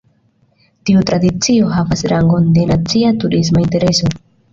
Tiu tradicio havas rangon de nacia turisma intereso.